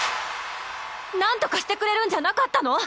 なんとかしてくれるんじゃなかったの？